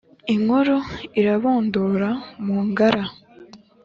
Inkuru irabundura mu Ngara